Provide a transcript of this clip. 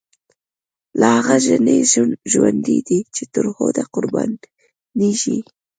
لاهغه ژڼی ژوندی دی، چی ترهوډه قربانیږی